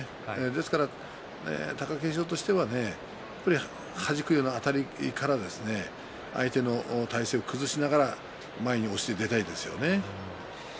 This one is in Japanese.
ですから貴景勝としてはやっぱりはじくようなあたりから相手の体勢を崩しながら前に押して出たいですよね。